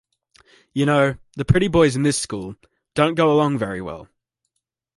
You know, the pretty boys in this school, don't go along very well.